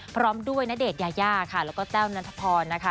พร้อมด้วยณเดชน์ยายาค่ะแล้วก็แต้วนัทพรนะคะ